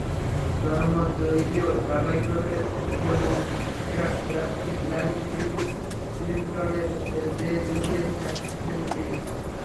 জনমত জরিপেও ধারাবাহিকভাবে ডেমোক্র্যাট প্রার্থী হিলারি ক্লিনটনের চেয়ে পিছিয়ে থাকছেন তিনি।